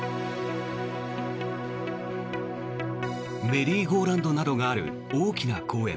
メリーゴーラウンドなどがある大きな公園。